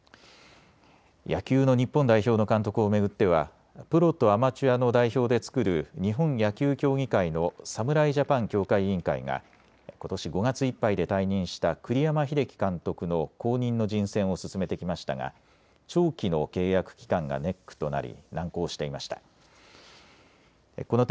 野球の日本代表の監督を巡ってはプロとアマチュアの代表で作る日本野球協議会の侍ジャパン強化委員会がことし５月いっぱいで退任した栗山英樹監督の後任の人選を進めてきましたが長期の契約期間がネックとなり難航していました。